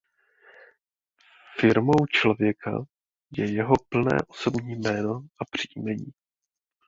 Firmou člověka je jeho plné osobní jméno a příjmení.